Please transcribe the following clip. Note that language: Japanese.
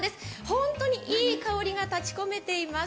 本当にいい香りが立ちこめています。